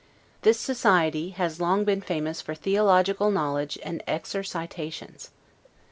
This society has long been famous for theological knowledge and exercitations.